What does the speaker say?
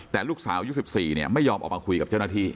แต่ลูกสาวยุค๑๔ไม่ยอมออกมาคุยกับเจ้าหน้าที่